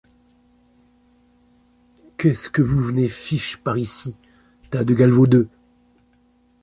Qu’est-ce que vous venez fiche par ici, tas de galvaudeux ?